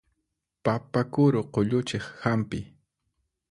Papa kuru qulluchiq hampi.